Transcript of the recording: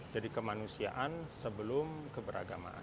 jadi kemanusiaan sebelum keberagamaan